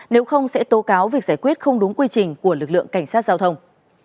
nếu không sẽ tố cáo việc giải quyết không đúng quy trình của lực lượng cảnh sát giao thông